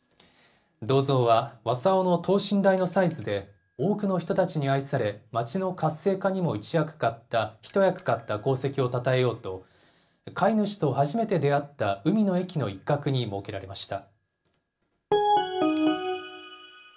銅像は、わさおの等身大のサイズで、多くの人たちに愛され、町の活性化にも一役買った功績をたたえようと、飼い主と初めて出会った海の駅の一角に設けられました。